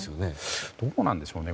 どうなんでしょうね